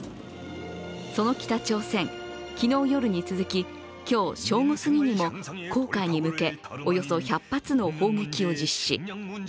その北朝鮮、昨日夜に続き、今日正午すぎにも黄海に向けおよそ１００発の砲撃を実施。